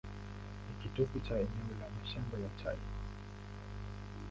Ni kitovu cha eneo la mashamba ya chai.